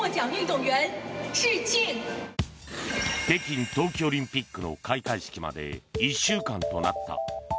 北京冬季オリンピックの開会式まで１週間となった。